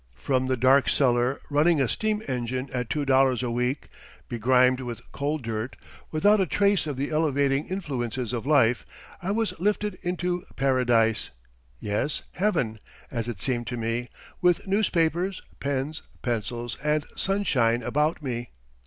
From the dark cellar running a steam engine at two dollars a week, begrimed with coal dirt, without a trace of the elevating influences of life, I was lifted into paradise, yes, heaven, as it seemed to me, with newspapers, pens, pencils, and sunshine about me.